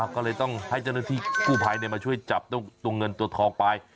ก็เลยต้องให้เจ้าหน้าที่กู้ภัยมาช่วยจับตัวเงินตัวทองไป